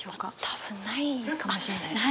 多分ないかもしれないですね。